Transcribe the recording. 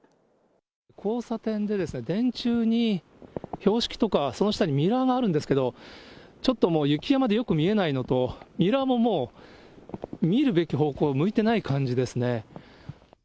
交差点でですね、電柱に標識とか、その下にミラーがあるんですけれども、ちょっともう、雪山でよく見えないのと、ミラーももう、見るべき方向を向いてない感じですね。